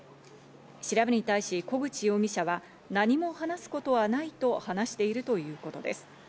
調べに対し、小口容疑者は何も話すことはないと話しているということです。